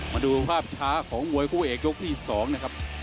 มาดูภาพช้าของมวยคู่เอกยกที่๒นะครับ